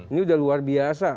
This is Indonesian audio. ini udah luar biasa